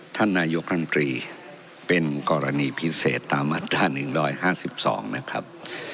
ท่านนายกรัมตรีเป็นกรณีพิเศษตามอัตราหนึ่งร้อยห้าสิบสองนะครับ